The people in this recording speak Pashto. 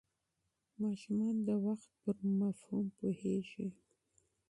ماشومان د وخت پر مفهوم پوهېږي.